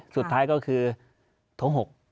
สุดท้ายก็คือโถ๖